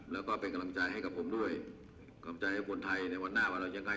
แล้วก็เป็นกำลังใจให้กับผมด้วยกำใจให้คนไทยในวันหน้าว่าเรายังไง